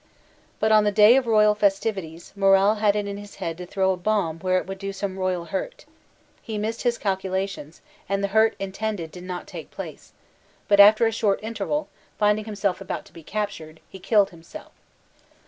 But on the day of royal festivities, Morral had it in his head to throw a bomb where it would do some royal hurt. He missed his calculations, and the hurt intended did not take place ; but after a short mterval, finding himself about to be captured, he killed himself.